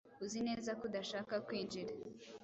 Uzi neza ko udashaka kwinjira?